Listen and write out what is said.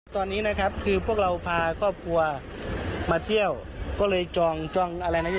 ตอนนี้นะครับคือพวกเราพาครอบครัวมาเที่ยวก็เลยจองจองอะไรนะ